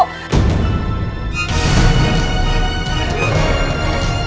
masih di rumah